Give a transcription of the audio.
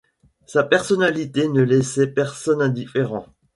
Sa personnalité ne laissait personne indifférent.